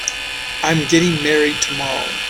I'm getting married tomorrow.